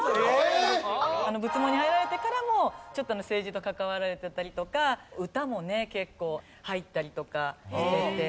仏門に入られてからもちょっと政治と関わられてたりとか歌もね結構入ったりとかしてて。